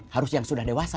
harus yang sudah dewasa